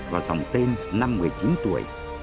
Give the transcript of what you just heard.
vào dòng tên năm một mươi chín tuổi